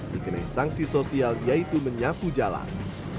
dikenai sanksi sosial yaitu menyapu jalan